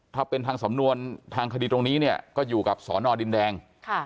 ถ้าเป็นทางสำนวนทางคดีตรงนี้เนี่ยก็อยู่กับสอนอดินแดง